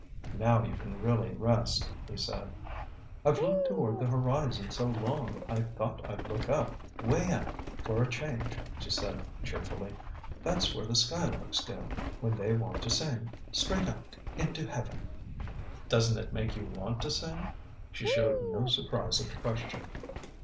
"Now you can really rest," he said. "I've looked toward the horizon so long, I thought I'd look up, way up, for a change," she said cheerfully. "That's where the skylarks go, when they want to sing straight up into heaven!" "Doesn't it make you want to sing?" She showed no surprise at the question.